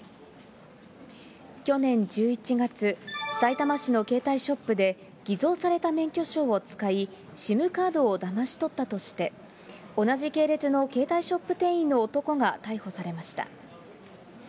去年１１月、さいたま市の携帯ショップで、偽造された免許証を使い、ＳＩＭカードをだまし取ったとして、同じ系列の携帯ショップ店員の男が逮捕されました。